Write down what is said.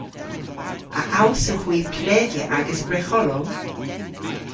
A allsewgh hwi plegya agas bregholow?